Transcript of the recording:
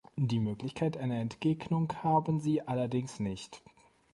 Die Möglichkeit einer Entgegnung haben Sie allerdings nicht.